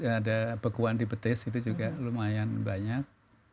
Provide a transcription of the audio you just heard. ada bekuantipetis itu juga lumayan banyak